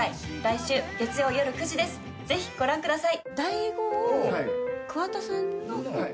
ぜひご覧ください。